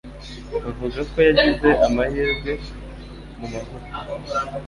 Bavuga ko yagize amahirwe mu mavuta.